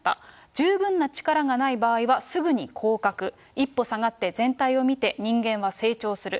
十分な力がない場合はすぐに降格、一歩下がって全体を見て、人間は成長する。